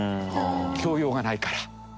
教養がないからって。